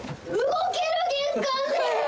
動ける玄関で！